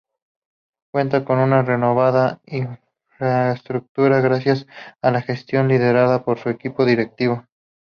Cuenta con una renovada infraestructura gracias a la gestión liderada por su equipo directivo.